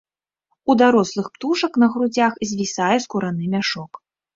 У дарослых птушак на грудзях звісае скураны мяшок.